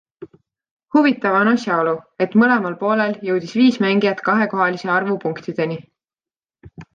Huvitav on asjaolu, et mõlemal poolel jõudis viis mängijat kahekohalise arvu punktideni.